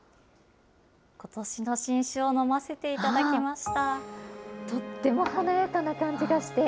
ことしの新酒を飲ませていただきました。